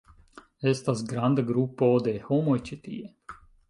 Estas granda grupo de homoj ĉi tie!